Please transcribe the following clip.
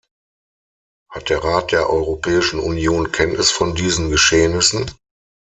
Hat der Rat der Europäischen Union Kenntnis von diesen Geschehnissen?